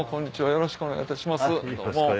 よろしくお願いします。